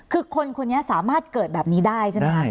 คือคนคนนี้สามารถเกิดแบบนี้ได้ใช่ไหมคะ